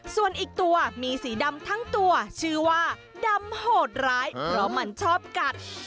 ส่วนอีกตัวมีสีดำทั้งตัวชื่อว่าดำโหดร้ายเพราะมันชอบกัด